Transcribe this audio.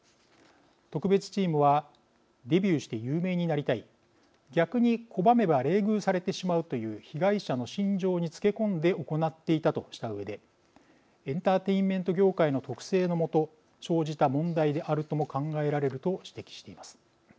特別チームはデビューして有名になりたい逆に拒めば冷遇されてしまうという被害者の心情につけ込んで行っていたとしたうえでエンターテインメント業界の特性の下生じた問題であるとも考えられると指摘しています。